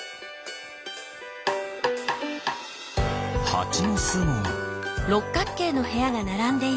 ハチのすも。